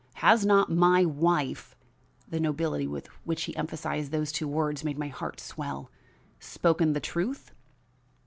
Has not my wife " the nobility with which he emphasized those two words made my heart swell "spoken the truth?"